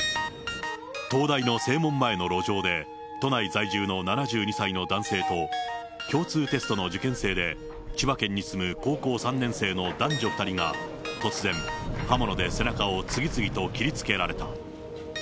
東大の正門前の路上で、都内在住の７２歳の男性と、共通テストの受験生で、千葉県に住む高校３年生の男女２人が、突然、刃物で背中を次々と切りつけられた。